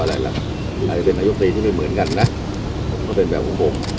อาจจะเป็นนายกตรีที่ไม่เหมือนกันนะก็เป็นแบบของผม